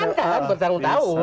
orang perbankan bertahun tahun